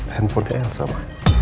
handphonenya yang sama